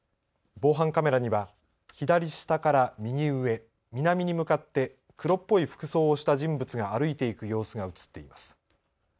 防犯カメラには左下から右上、南に向かって黒っぽい服装をした人物が歩いていく様子が写っています。